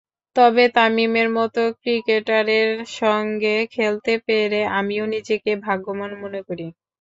তবে তামিমের মতো ক্রিকেটারের সঙ্গে খেলতে পেরে আমিও নিজেকে ভাগ্যবান মনে করি।